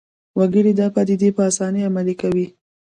وګړي دا پدیدې په اسانۍ عملي کوي